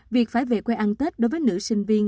việc phải về quê ăn tết đối với nữ sinh viên